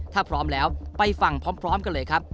ถ้าพร้อมแล้วไปฟังพร้อมกันเลยครับ